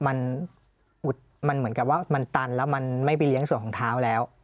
มันอุดมันเหมือนกับว่ามันตันแล้วมันไม่ไปเลี้ยงส่วนของเท้าแล้ว